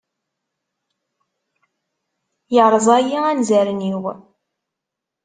Yerẓa-iyi anzaren-iw!